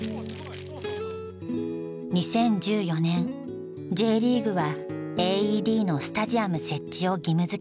２０１４年ＪリーグはＡＥＤのスタジアム設置を義務づけた。